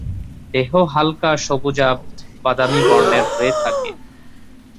দেহ হালকা সবুজাভ-বাদামী বর্ণের হয়ে থাকে।